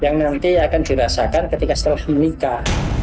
yang nanti akan dirasakan ketika setelah menikah